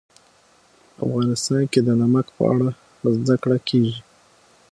افغانستان کې د نمک په اړه زده کړه کېږي.